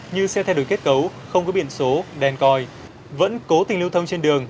như xe thay đổi kết cấu không có biển số đèn còi vẫn cố tình lưu thông trên đường